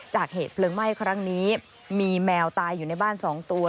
จากเหตุเพลิงไหม้ครั้งนี้มีแมวตายอยู่ในบ้าน๒ตัว